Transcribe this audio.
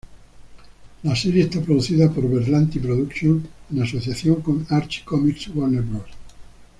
La serie está producida por Berlanti Productions, en asociación con Archie Comics, Warner Bros.